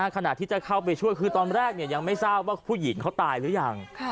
ขณะที่จะเข้าไปช่วยคือตอนแรกยังไม่ทราบว่าผู้หญิงเขาตายหรือยัง